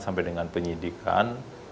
sampai dengan penyidikan